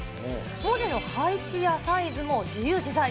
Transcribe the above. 文字の配置やサイズも自由自在。